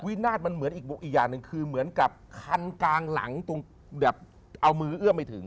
วินาทมันมีแบบมีบุ๊คอียานนึงคือเหมือนกับคันกลางหลั่งตรงแบบเอามือเอื้อมไม่ถึง